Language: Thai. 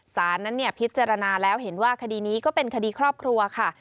สารนั้นพิจารณาแล้วเห็นว่าคดีนี้ก็เป็นคดีครอบครัวค่ะ